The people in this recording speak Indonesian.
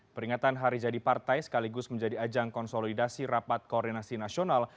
peringatan hari jadi partai sekaligus menjadi ajang konsolidasi rapat koordinasi nasional